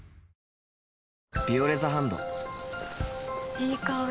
いい香り。